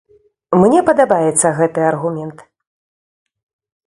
Мне падабаецца гэты аргумент.